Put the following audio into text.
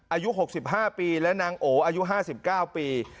อายุ๖๕ปีและนางโออายุ๕๙ปี